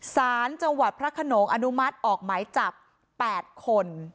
สารจังหวัดพระขนงอนุมัติออกหมายจับ๘คน